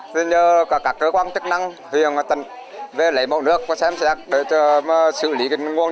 thế giờ cả cơ quan chức năng hiền về lấy một nước có xem xét để xử lý